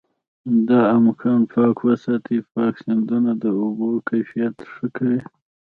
دا اماکن پاک وساتي، پاک سیندونه د اوبو کیفیت ښه کوي.